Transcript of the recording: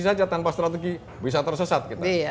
saja tanpa strategi bisa tersesat kita